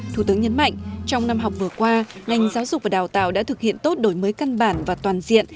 thủ tướng nhấn mạnh trong năm học vừa qua ngành giáo dục và đào tạo đã thực hiện tốt đổi mới căn bản và toàn diện